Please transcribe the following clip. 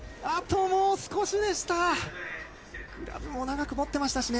あと、もう少しでした。